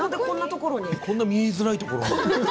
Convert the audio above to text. こんな見えづらい所に。